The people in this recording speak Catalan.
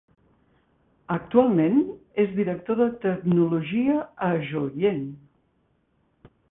Actualment, és director de tecnologia a Joyent.